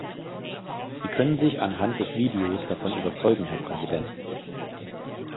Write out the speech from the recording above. Sie können sich anhand des Videos davon überzeugen, Herr Präsident.